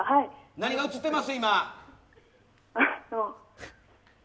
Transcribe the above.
何が映ってます？